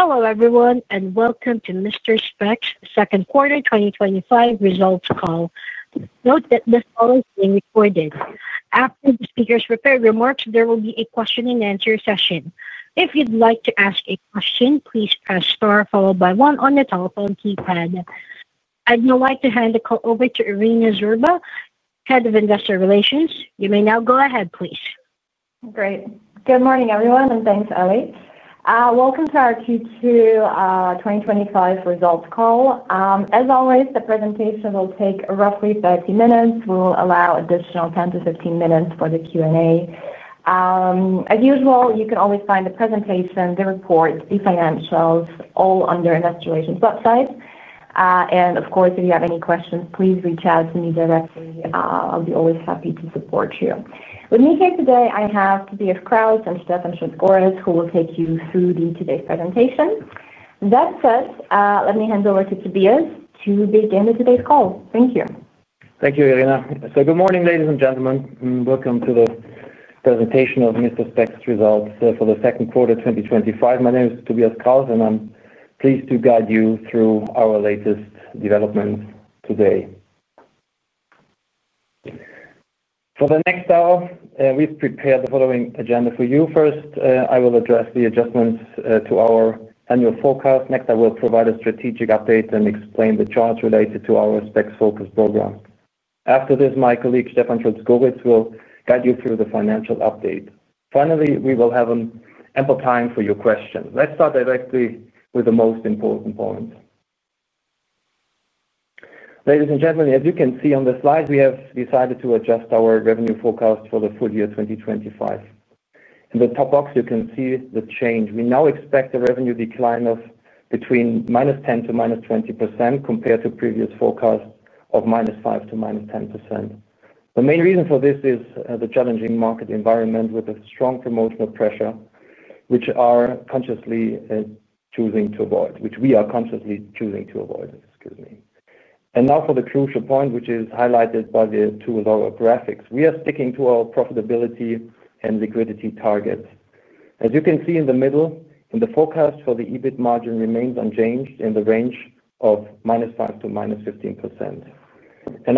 Hello everyone, and welcome to Mister Spex Second Quarter 2025 Results Call. Note that this call is being recorded. After the speaker's prepared remarks, there will be a question-and-answer session. If you'd like to ask a question, please press star followed by one on the telephone keypad. I'd now like to hand the call over to Irina Zhurba, Head of Investor Relations. You may now go ahead, please. Great. Good morning everyone, and thanks, Ellie. Welcome to our Q2 2025 Results Call. As always, the presentation will take roughly 30 minutes. We'll allow an additional 10 minutes-15 minutes for the Q&A. As usual, you can always find the presentation, the report, the financials, all on the investor relations website. Of course, if you have any questions, please reach out to me directly. I'll always be happy to support you. With me here today, I have Tobias Krauss and Stephan Schulz-Gohritz, who will take you through today's presentation. That said, let me hand over to Tobias to begin with today's call. Thank you. Thank you, Irina. Good morning, ladies and gentlemen. Welcome to the presentation of Mister Spex's Results for the Second Quarter 2025. My name is Tobias Krauss, and I'm pleased to guide you through our latest developments today. For the next hour, we've prepared the following agenda for you. First, I will address the adjustments to our annual forecast. Next, I will provide a strategic update and explain the charts related to our SpexFocus program. After this, my colleague Stephan Schulz-Gohritz will guide you through the financial update. Finally, we will have ample time for your questions. Let's start directly with the most important point. Ladies and gentlemen, as you can see on the slides, we have decided to adjust our revenue forecast for the full year 2025. In the top box, you can see the change. We now expect a revenue decline of between -10% to -20% compared to previous forecasts of -5% to -10%. The main reason for this is the challenging market environment with a strong promotional pressure, which we are consciously choosing to avoid. Now for the crucial point, which is highlighted by the two lower graphics, we are sticking to our profitability and liquidity targets. As you can see in the middle, the forecast for the EBIT margin remains unchanged in the range of -5% to -15%.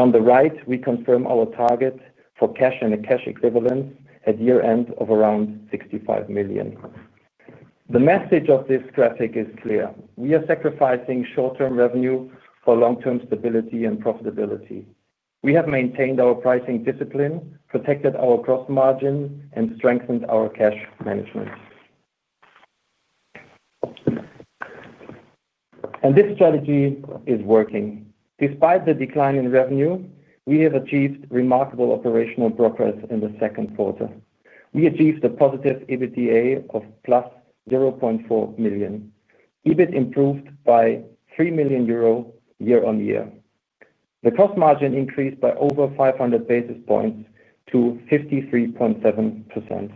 On the right, we confirm our target for cash and cash equivalents at year end of around 65 million. The message of this graphic is clear. We are sacrificing short-term revenue for long-term stability and profitability. We have maintained our pricing discipline, protected our gross margin, and strengthened our cash management. This strategy is working. Despite the decline in revenue, we have achieved remarkable operational progress in the second quarter. We achieved a positive EBITDA of 0.4 million. EBIT improved by 3 million euro year-on-year. The gross margin increased by over 500 basis points to 53.7%.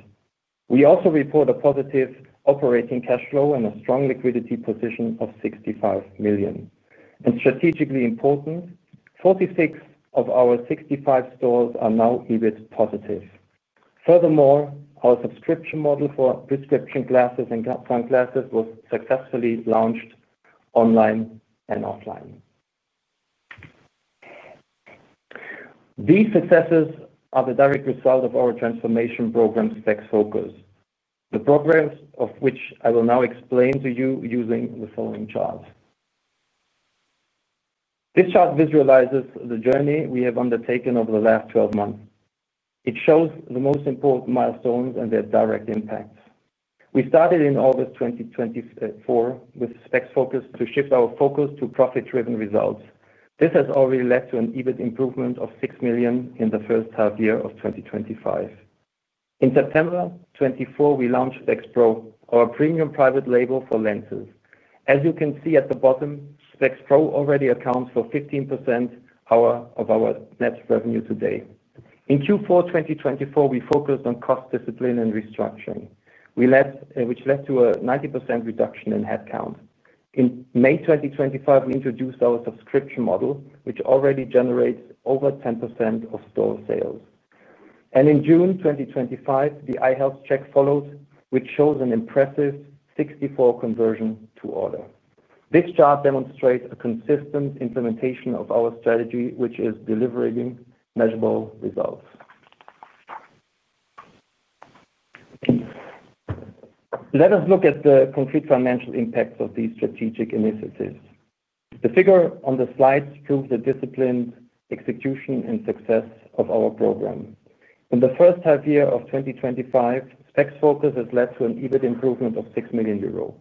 We also report a positive operating cash flow and a strong liquidity position of 65 million. Strategically important, 46 of our 65 stores are now EBIT positive. Furthermore, our subscription model for prescription glasses and sunglasses was successfully launched online and offline. These successes are the direct result of our transformation program, SpexFocus, the progress of which I will now explain to you using the following charts. This chart visualizes the journey we have undertaken over the last 12 months. It shows the most important milestones and their direct impact. We started in August 2024 with SpexFocus to shift our focus to profit-driven results. This has already led to an EBIT improvement of 6 million in the first half year of 2025. In September 2024, we launched SpexPro, our premium private label for lenses. As you can see at the bottom, SpexPro already accounts for 15% of our net revenue today. In Q4 2024, we focused on cost discipline and restructuring, which led to a 90% reduction in headcount. In May 2025, we introduced our subscription model, which already generates over 10% of store sales. In June 2025, the Eye Health check followed, which shows an impressive 64 conversions to order. This chart demonstrates a consistent implementation of our strategy, which is delivering measurable results. Let us look at the concrete financial impacts of these strategic initiatives. The figure on the slides proves the disciplined execution and success of our program. In the first half year of 2025, SpexFocus has led to an EBIT improvement of 6 million euros.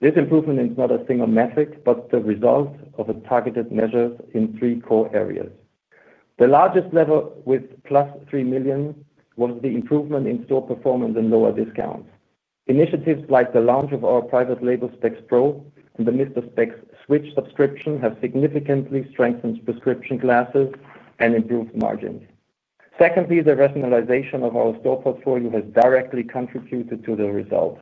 This improvement is not a single metric, but the result of a targeted measure in three core areas. The largest level with plus 3 million was the improvement in store performance and lower discounts. Initiatives like the launch of our private label SpexPro and the Mister Spex Switch subscription have significantly strengthened prescription glasses and improved margins. Secondly, the rationalization of our store portfolio has directly contributed to the results.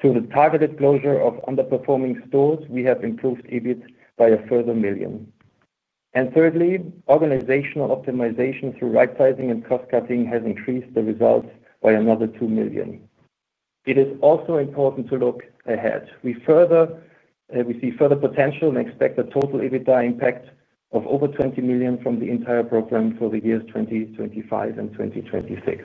Through the targeted closure of underperforming stores, we have improved EBIT by a further 1 million. Thirdly, organizational optimization through right-sizing and cost-cutting has increased the results by another 2 million. It is also important to look ahead. We see further potential and expect a total EBITDA impact of over 20 million from the entire program for the years 2025 and 2026.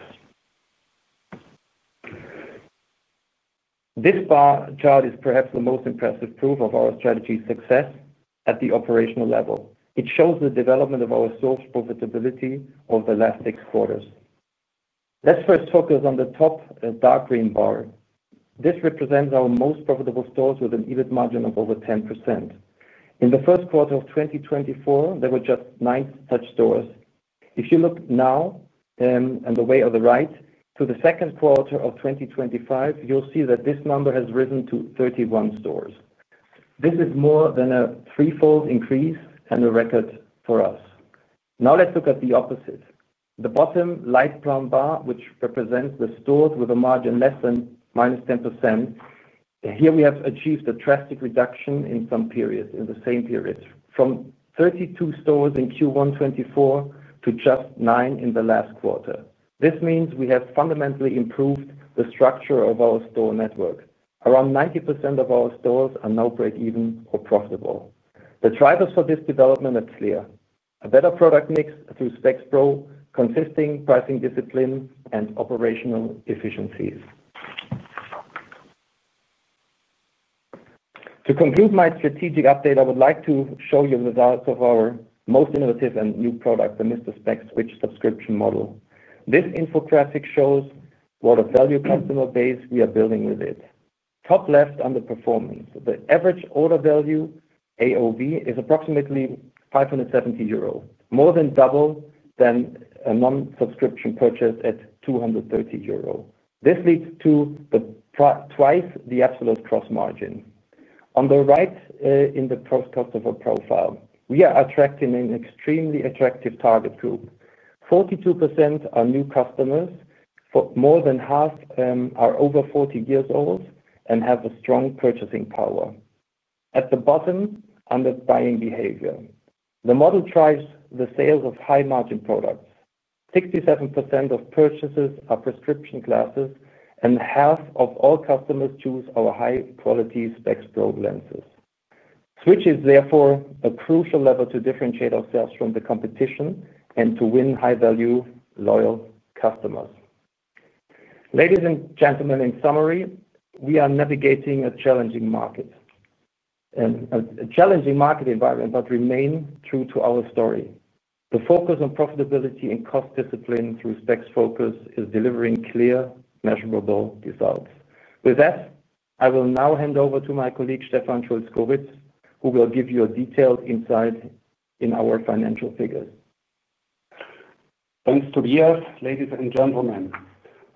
This bar chart is perhaps the most impressive proof of our strategy's success at the operational level. It shows the development of our stores' profitability over the last six quarters. Let's first focus on the top dark green bar. This represents our most profitable stores with an EBIT margin of over 10%. In the first quarter of 2024, there were just nine such stores. If you look now and away on the way of the right, to the second quarter of 2025, you'll see that this number has risen to 31 stores. This is more than a threefold increase and a record for us. Now let's look at the opposite. The bottom light brown bar, which represents the stores with a margin less than -10%, here we have achieved a drastic reduction in some periods in the same period, from 32 stores in Q1 2024 to just nine in the last quarter. This means we have fundamentally improved the structure of our store network. Around 90% of our stores are now break-even or profitable. The drivers for this development are clear: a better product mix through SpexPro, consistent pricing discipline, and operational efficiencies. To conclude my strategic update, I would like to show you the results of our most innovative and new product, the Mister Spex Switch subscription model. This infographic shows what a value customer base we are building with it. Top left underperforming. The average order value, AOV, is approximately 570 euro, more than double than a non-subscription purchase at 230 euro. This leads to twice the absolute gross margin. On the right, in the post-customer profile, we are attracting an extremely attractive target group. 42% are new customers, but more than half are over 40 years old and have a strong purchasing power. At the bottom, under buying behavior, the model drives the sales of high-margin products. 67% of purchases are prescription glasses, and half of all customers choose our high-quality SpexPro lenses. Switch is therefore a crucial level to differentiate ourselves from the competition and to win high-value, loyal customers. Ladies and gentlemen, in summary, we are navigating a challenging market environment, but remain true to our story. The focus on profitability and cost discipline through SpexFocus is delivering clear, measurable results. With that, I will now hand over to my colleague Stephan Schulz-Gohritz, who will give you a detailed insight in our financial figures. Thanks, Tobias. Ladies and gentlemen,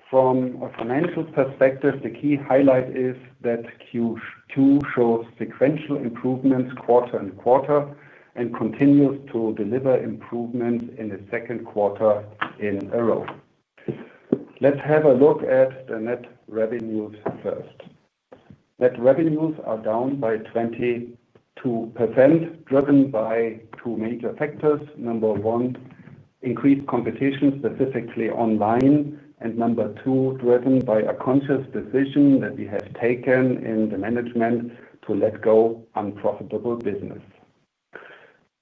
from a financial perspective, the key highlight is that Q2 shows sequential improvements quarter and quarter and continues to deliver improvements in the second quarter in a row. Let's have a look at the net revenues first. Net revenues are down by 22%, driven by two major factors. Number one, increased competition, specifically online, and number two, driven by a conscious decision that we have taken in the management to let go unprofitable business.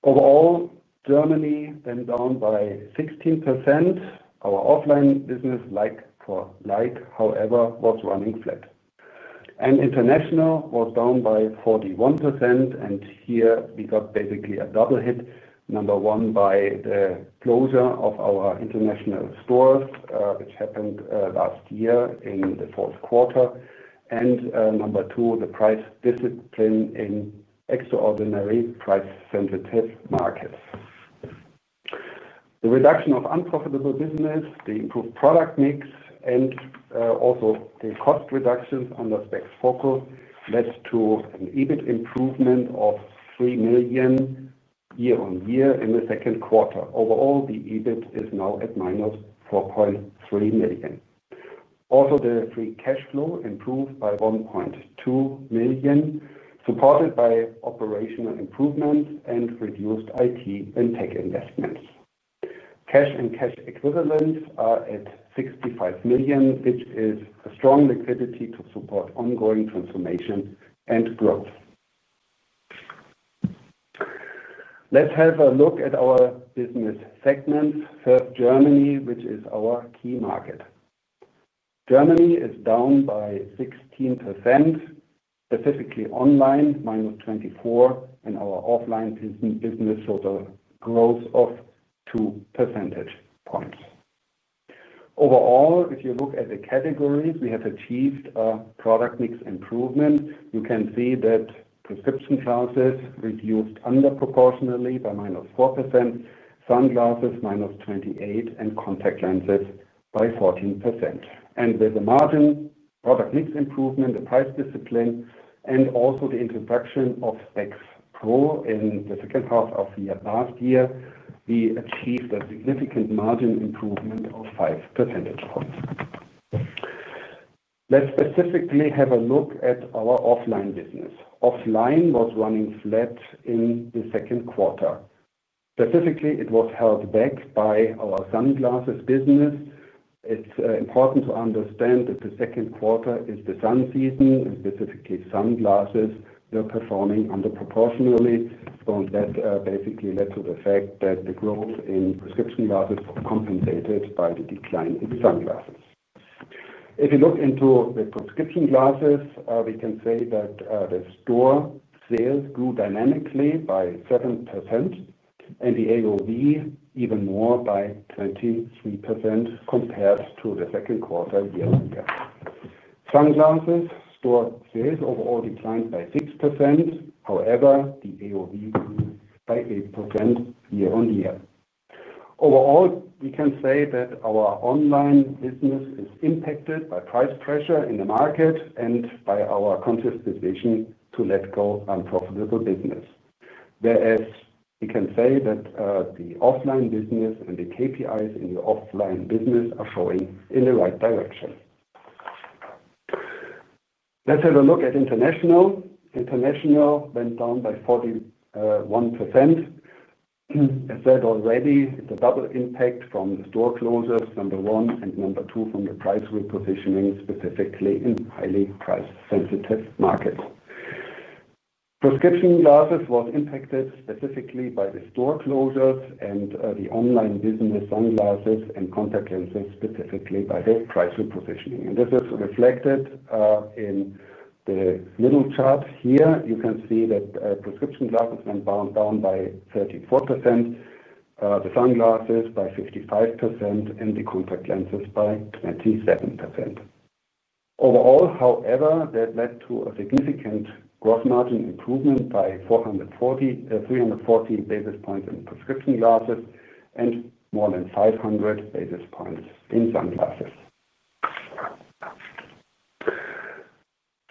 Overall, Germany went down by 16%. Our offline business, like for like, however, was running flat. International was down by 41%, and here we got basically a double hit, number one, by the closure of our international stores, which happened last year in the fourth quarter, and number two, the price discipline in extraordinary price-sensitive markets. The reduction of unprofitable business, the improved product mix, and also the cost reductions under SpexFocus led to an EBIT improvement of 3 million year-on-year in the second quarter. Overall, the EBIT is now at -4.3 million. Also, the free cash flow improved by 1.2 million, supported by operational improvements and reduced IT and tech investments. Cash and cash equivalents are at 65 million, which is a strong liquidity to support ongoing transformation and growth. Let's have a look at our business segments. First, Germany, which is our key market. Germany is down by 16%, specifically online, -24%, and our offline business showed a growth of 2 percentage points. Overall, if you look at the categories, we have achieved a product mix improvement. You can see that prescription glasses reduced underproportionately by -4%, sunglasses -28%, and contact lenses by 14%. With the margin, product mix improvement, the price discipline, and also the introduction of SpexPro in the second half of last year, we achieved a significant margin improvement of 5 percentage points. Let's specifically have a look at our offline business. Offline was running flat in the second quarter. Specifically, it was held back by our sunglasses business. It's important to understand that the second quarter is the sun season, and specifically sunglasses were performing underproportionately, and that basically led to the fact that the growth in prescription glasses was compensated by the decline in sunglasses. If you look into the prescription glasses, we can say that the store sales grew dynamically by 7%, and the AOV even more by 23% compared to the second quarter year-on-year. Sunglasses store sales overall declined by 6%. However, the AOV grew by 8% year-on-year. Overall, we can say that our online business is impacted by price pressure in the market and by our conscious decision to let go unprofitable business. Whereas we can say that the offline business and the KPIs in the offline business are showing in the right direction. Let's have a look at international. International went down by 41%. As I said already, it's a double impact from the store closures, number one, and number two, from the price repositioning, specifically in highly price-sensitive markets. Prescription glasses were impacted specifically by the store closures and the online business, sunglasses and contact lenses, specifically by their price repositioning. This is reflected in the middle chart here. You can see that prescription glasses went down by 34%, the sunglasses by 55%, and the contact lenses by 27%. Overall, however, that led to a significant gross margin improvement by 340 basis points in prescription glasses and more than 500 basis points in sunglasses.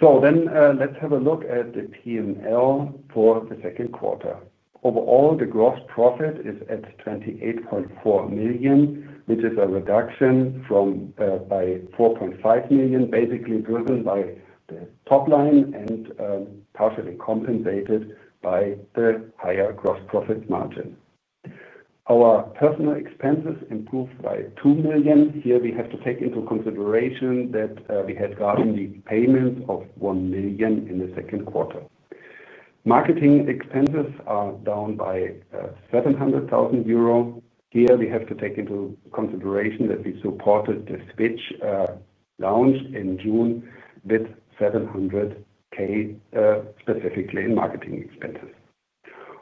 Let's have a look at the P&L for the second quarter. Overall, the gross profit is at 28.4 million, which is a reduction by 4.5 million, basically driven by the top line and partially compensated by the higher gross profit margin. Our personnel expenses improved by 2 million. Here we have to take into consideration that we had gotten the payments of 1 million in the second quarter. Marketing expenses are down by 700,000 euro. Here we have to take into consideration that we supported the Switch launch in June with 700,000, specifically in marketing expenses.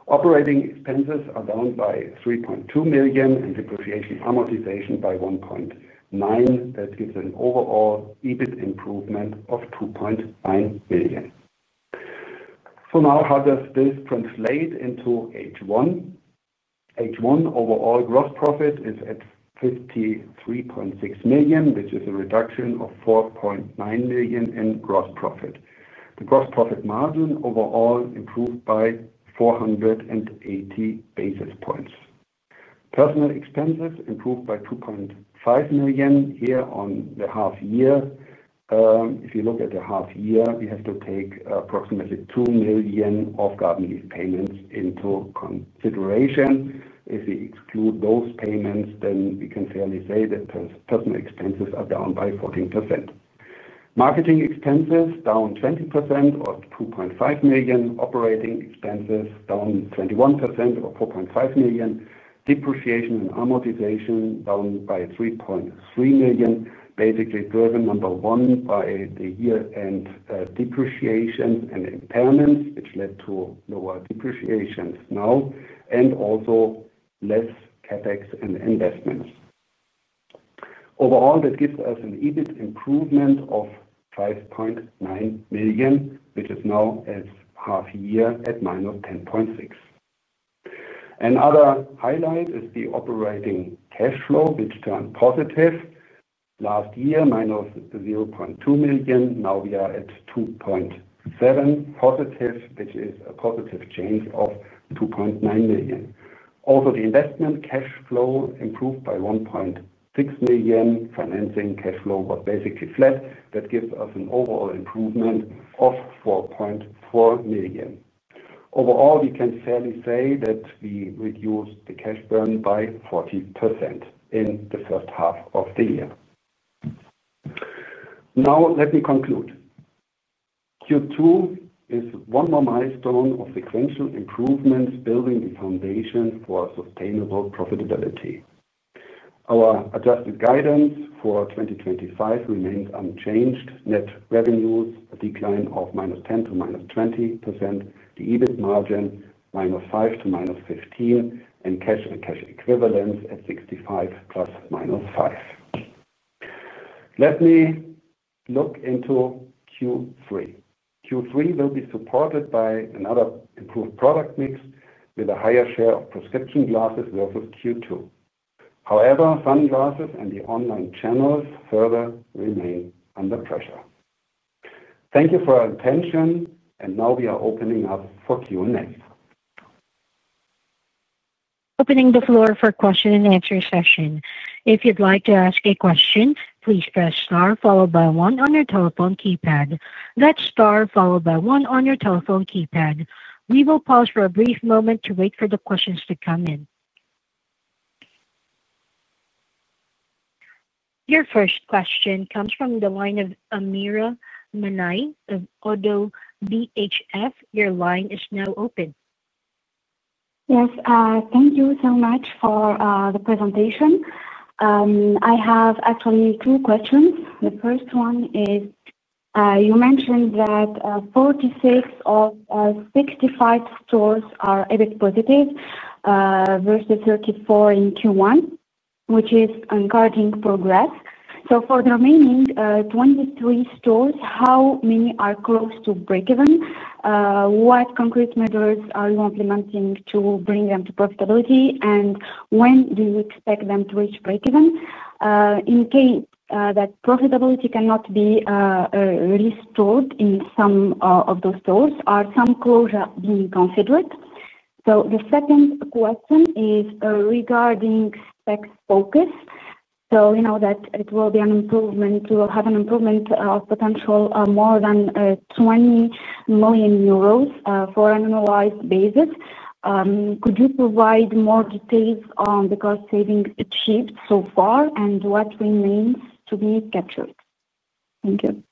Operating expenses are down by 3.2 million and depreciation and amortization by 1.9 million. That gives an overall EBIT improvement of 2.9 million. How does this translate into H1? H1 overall gross profit is at 53.6 million, which is a reduction of 4.9 million in gross profit. The gross profit margin overall improved by 480 basis points. Personnel expenses improved by 2.5 million here on the half year. If you look at the half year, we have to take approximately 2 million off-garden leaf payments into consideration. If we exclude those payments, then we can fairly say that personnel expenses are down by 14%. Marketing expenses down 20% or 2.5 million. Operating expenses down 21% or 4.5 million. Depreciation and amortization down by 3.3 million, basically driven, number one, by the year-end depreciations and impairments, which led to lower depreciations now and also less CapEx and investments. Overall, this gives us an EBIT improvement of 5.9 million, which is now as half a year at -10.6 million. Another highlight is the operating cash flow, which turned positive. Last year, -0.2 million, now we are at 2.7 million positive, which is a positive change of 2.9 million. Also, the investment cash flow improved by 1.6 million. Financing cash flow was basically flat. That gives us an overall improvement of 4.4 million. Overall, we can fairly say that we reduced the cash burn by 40% in the first half of the year. Now, let me conclude. Q2 is one more milestone of sequential improvements, building the foundation for sustainable profitability. Our adjusted guidance for 2025 remains unchanged. Net revenues, a decline of -10% to -20%. The EBIT margin, -5% to -15%, and cash and cash equivalents at 65 million ± 5 million. Let me look into Q3. Q3 will be supported by another improved product mix with a higher share of prescription glasses versus Q2. However, sunglasses and the online channels further remain under pressure. Thank you for your attention, and now we are opening up for Q&A. Opening the floor for question and answer session. If you'd like to ask a question, please press star followed by one on your telephone keypad. That's star followed by one on your telephone keypad. We will pause for a brief moment to wait for the questions to come in. Your first question comes from the line of Amira Manai of ODDO BHF. Your line is now open. Yes, thank you so much for the presentation. I have actually two questions. The first one is, you mentioned that 46 of 65 stores are EBIT positive, versus 34 in Q1, which is encouraging progress. For the remaining 23 stores, how many are close to break-even? What concrete measures are you implementing to bring them to profitability, and when do you expect them to reach break-even? In case that profitability cannot be restored in some of those stores, are some closures being considered? The second question is regarding SpexFocus. We know that it will be an improvement. We will have an improvement of potential more than 20 million euros on an annualized basis. Could you provide more details on the cost-saving achieved so far and what remains to be captured? Thank you.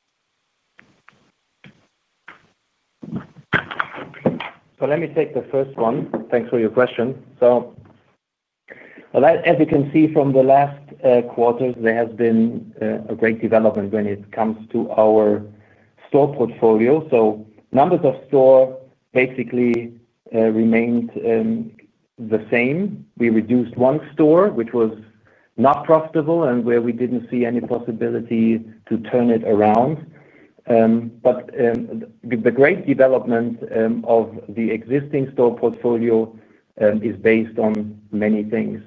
Let me take the first one. Thanks for your question. As you can see from the last quarters, there has been a great development when it comes to our store portfolio. Numbers of stores basically remained the same. We reduced one store, which was not profitable and where we didn't see any possibility to turn it around. The great development of the existing store portfolio is based on many things.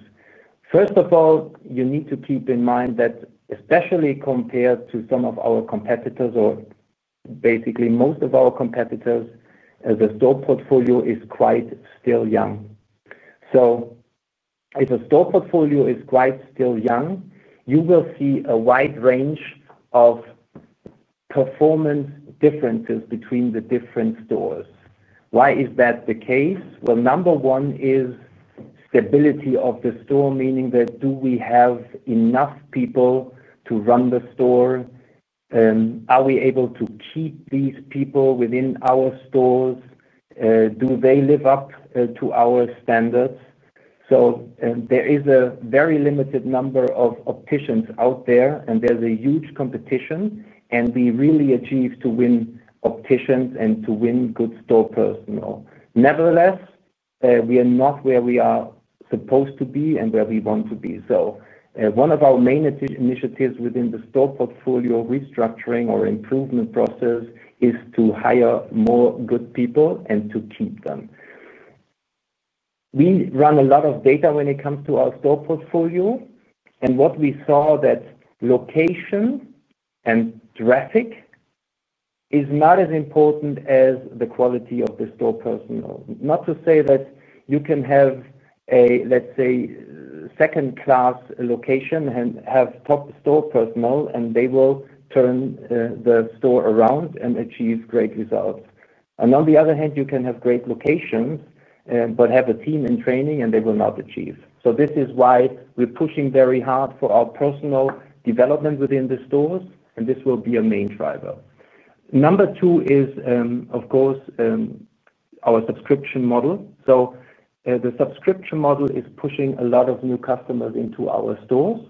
First of all, you need to keep in mind that especially compared to some of our competitors, or basically most of our competitors, the store portfolio is quite still young. If a store portfolio is quite still young, you will see a wide range of performance differences between the different stores. Why is that the case? Number one is the stability of the store, meaning that do we have enough people to run the store? Are we able to keep these people within our stores? Do they live up to our standards? There is a very limited number of opticians out there, and there's a huge competition, and we really achieve to win opticians and to win good store personnel. Nevertheless, we are not where we are supposed to be and where we want to be. One of our main initiatives within the store portfolio restructuring or improvement process is to hire more good people and to keep them. We run a lot of data when it comes to our store portfolio, and what we saw is that location and traffic are not as important as the quality of the store personnel. Not to say that you can have, let's say, a second-class location and have top store personnel, and they will turn the store around and achieve great results. On the other hand, you can have great locations but have a team in training, and they will not achieve. This is why we're pushing very hard for our personal development within the stores, and this will be a main driver. Number two is, of course, our subscription model. The subscription model is pushing a lot of new customers into our stores,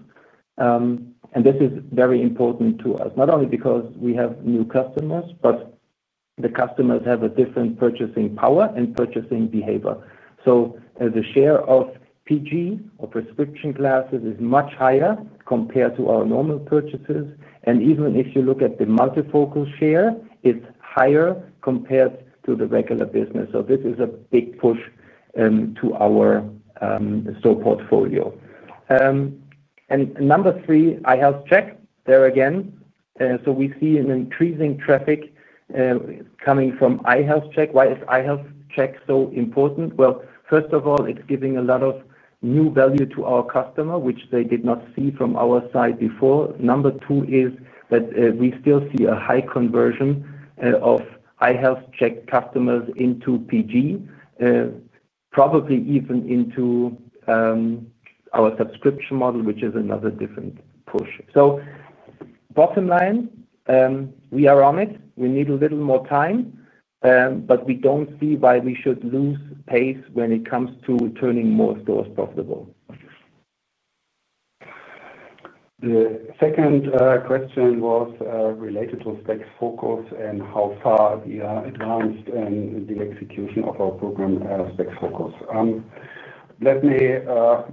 and this is very important to us, not only because we have new customers, but the customers have a different purchasing power and purchasing behavior. The share of prescription glasses is much higher compared to our normal purchases. Even if you look at the multifocal share, it's higher compared to the regular business. This is a big push to our store portfolio. Number three, Eye Health Check, there again. We see an increasing traffic coming from Eye Health Check. Why is Eye Health Check so important? First of all, it's giving a lot of new value to our customer, which they did not see from our side before. Number two is that we still see a high conversion of Eye Health Check customers into PG, probably even into our subscription model, which is another different push. Bottom line, we are on it. We need a little more time, but we don't see why we should lose pace when it comes to returning more stores profitable. The second question was related to SpexFocus and how far we are advanced in the execution of our program at SpexFocus. Let me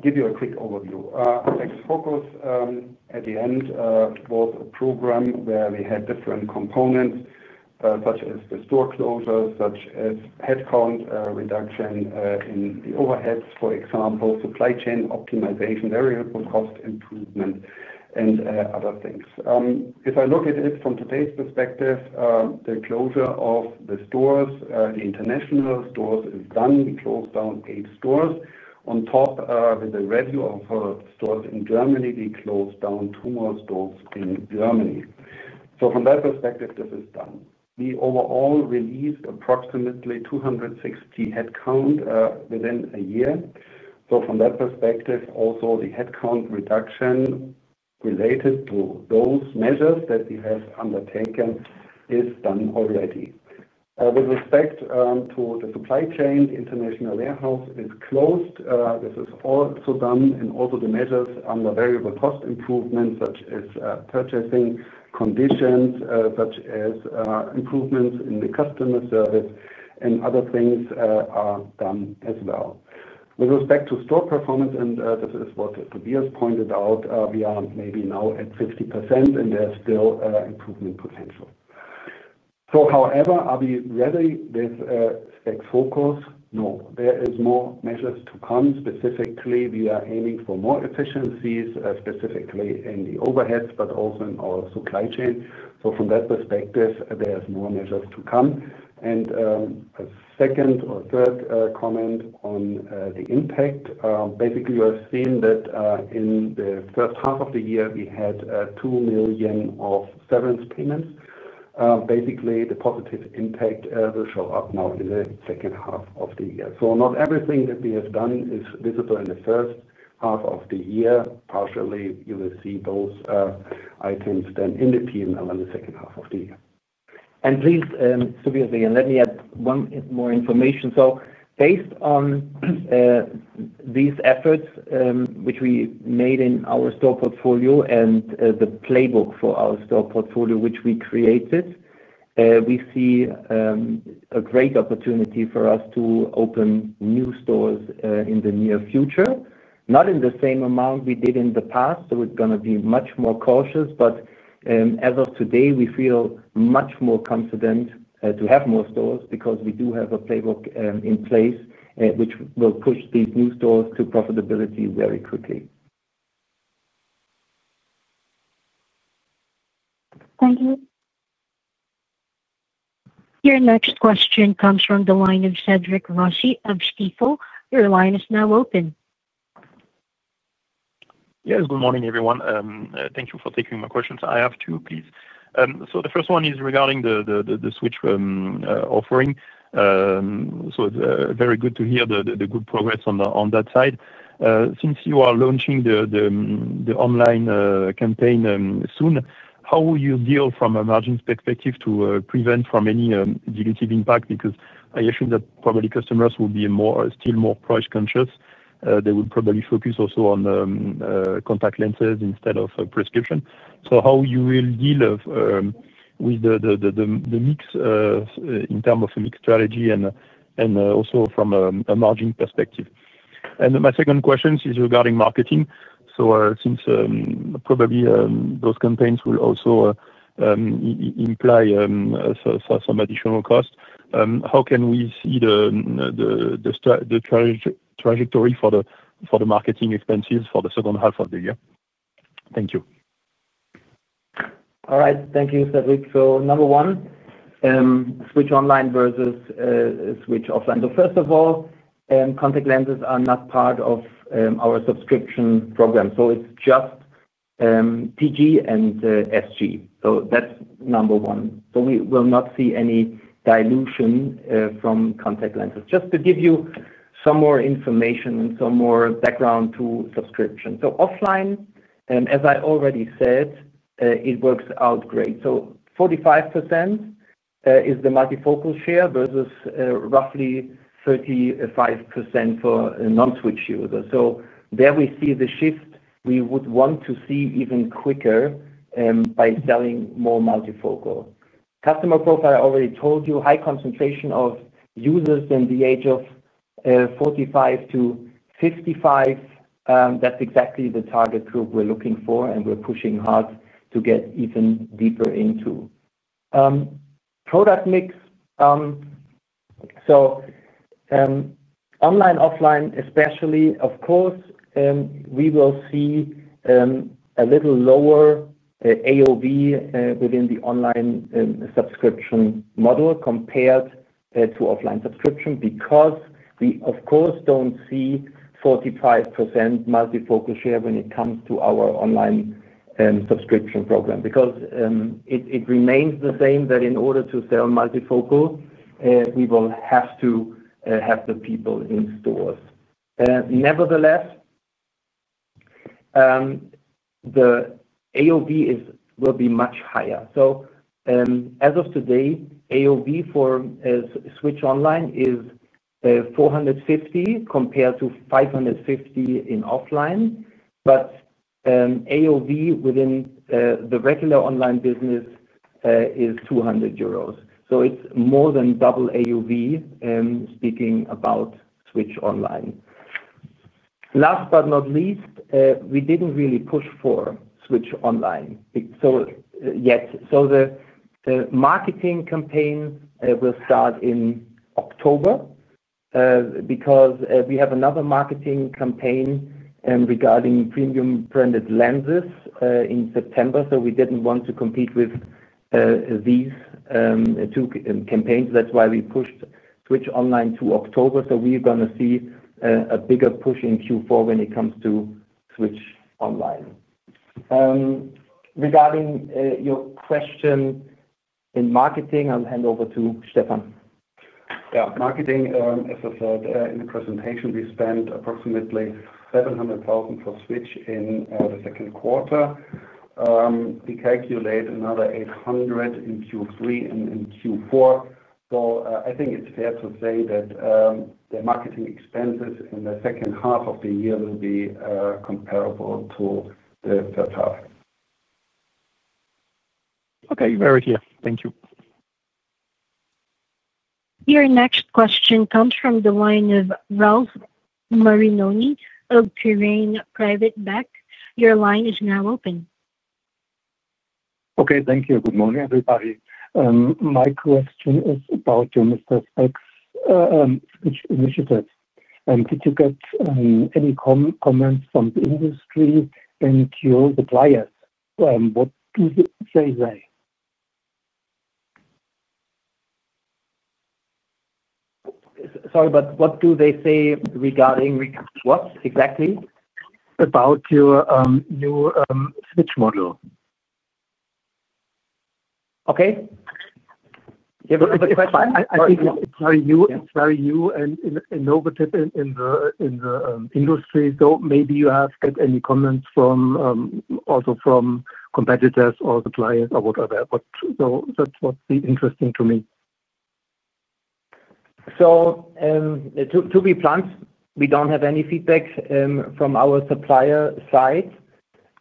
give you a quick overview. SpexFocus, at the end, was a program where we had different components, such as the store closure, such as headcount reduction in the overheads, for example, supply chain optimization, variable cost improvement, and other things. If I look at it from today's perspective, the closure of the stores, the international stores is done. We closed down eight stores. On top, with the review of our stores in Germany, we closed down two more stores in Germany. From that perspective, this is done. We overall released approximately 260 headcount within a year. From that perspective, also the headcount reduction related to those measures that we have undertaken is done already. With respect to the supply chain, the international warehouse is closed. This is also done, and also the measures under variable cost improvements, such as purchasing conditions, such as improvements in the customer service, and other things are done as well. With respect to store performance, and this is what Tobias pointed out, we are maybe now at 50%, and there's still improvement potential. However, are we ready with SpexFocus? No, there are more measures to come. Specifically, we are aiming for more efficiencies, specifically in the overheads, but also in our supply chain. From that perspective, there are more measures to come. A second or third comment on the impact. Basically, you have seen that in the first half of the year, we had 2 million of severance payments. Basically, the positive impact will show up now in the second half of the year. Not everything that we have done is visible in the first half of the year. Partially, you will see those items then in the P&L in the second half of the year. Please, Tobias, let me add one more information. Based on these efforts, which we made in our store portfolio and the playbook for our store portfolio, which we created, we see a great opportunity for us to open new stores in the near future. Not in the same amount we did in the past, we're going to be much more cautious. As of today, we feel much more confident to have more stores because we do have a playbook in place, which will push these new stores to profitability very quickly. Thank you. Your next question comes from the line of Cédric Rossi of Stifel. Your line is now open. Yes, good morning, everyone. Thank you for taking my questions. I have two, please. The first one is regarding the Switch offering. It is very good to hear the good progress on that side. Since you are launching the online campaign soon, how will you deal from a margin perspective to prevent from any dilutive impact? I assume that probably customers will be still more price conscious. They will probably focus also on contact lenses instead of prescription. How will you deal with the mix in terms of a mixed strategy and also from a margin perspective? My second question is regarding marketing. Since probably those campaigns will also imply some additional costs, how can we see the trajectory for the marketing expenses for the second half of the year? Thank you. All right. Thank you, Cédric. Number one, Switch online versus Switch offline. First of all, contact lenses are not part of our subscription program. It's just prescription glasses and sunglasses. That's number one. We will not see any dilution from contact lenses. Just to give you some more information and some more background to subscription. Offline, as I already said, it works out great. 45% is the multifocal share versus roughly 35% for non-Switch users. There we see the shift we would want to see even quicker by selling more multifocal. Customer profile, I already told you, high concentration of users in the age of 45-55. That's exactly the target group we're looking for, and we're pushing hard to get even deeper into product mix. Online, offline, especially, of course, we will see a little lower AOV within the online subscription model compared to offline subscription because we, of course, don't see 45% multifocal share when it comes to our online subscription program because it remains the same that in order to sell multifocal, we will have to have the people in stores. Nevertheless, the AOV will be much higher. As of today, AOV for Switch online is 450 compared to 550 in offline. AOV within the regular online business is 200 euros. It's more than double AOV speaking about Switch online. Last but not least, we didn't really push for Switch online yet. The marketing campaign will start in October because we have another marketing campaign regarding premium branded lenses in September. We didn't want to compete with these two campaigns. That's why we pushed Switch online to October. We're going to see a bigger push in Q4 when it comes to Switch online. Regarding your question in marketing, I'll hand over to Stephan. Yeah. Marketing, as I said in the presentation, we spent approximately 700,000 for Switch in the second quarter. We calculate another 800,000 in Q3 and in Q4. I think it's fair to say that the marketing expenses in the second half of the year will be comparable to the third half. Okay, we're ready here. Thank you. Your next question comes from the line of Ralf Marinoni of Quirin Privatbank. Your line is now open. Okay, thank you. Good morning, everybody. My question is about your Mister Spex Switch initiative. Could you get any comments from the industry and your suppliers? What do they say? Sorry, but what do they say regarding what exactly? About your new Mister Spex Switch model. Okay. If I may. It's very new and innovative in the industry. Maybe you have any comments also from competitors or suppliers or whatever. That's what's interesting to me. To be blunt, we don't have any feedback from our supplier side.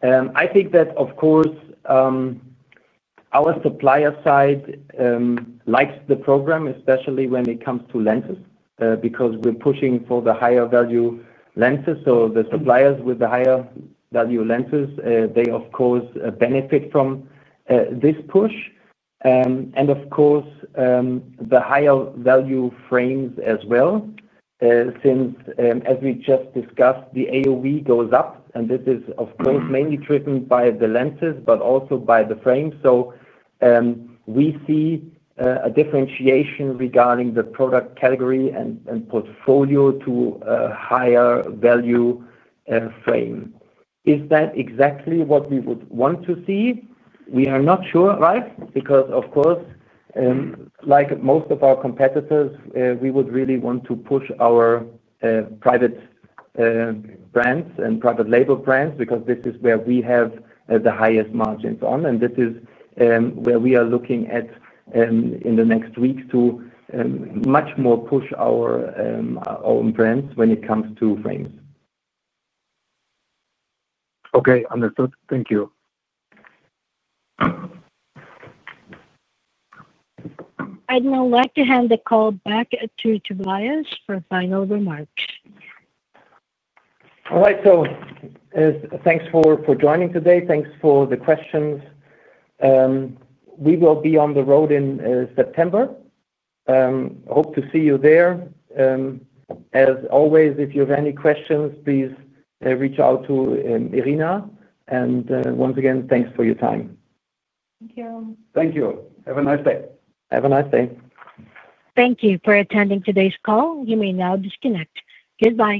I think that, of course, our supplier side likes the program, especially when it comes to lenses, because we're pushing for the higher value lenses. The suppliers with the higher value lenses, they, of course, benefit from this push. Of course, the higher value frames as well, since, as we just discussed, the AOV goes up. This is mainly driven by the lenses, but also by the frames. We see a differentiation regarding the product category and portfolio to a higher value frame. Is that exactly what we would want to see? We are not sure, right? Like most of our competitors, we would really want to push our private brands and private label brands because this is where we have the highest margins. This is where we are looking at in the next weeks to much more push our own brands when it comes to frames. Okay, understood. Thank you. I'd now like to hand the call back to Tobias for final remarks. All right. Thanks for joining today. Thanks for the questions. We will be on the road in September. Hope to see you there. As always, if you have any questions, please reach out to Irina. Once again, thanks for your time. Thank you. Thank you. Have a nice day. Have a nice day. Thank you for attending today's call. You may now disconnect. Goodbye.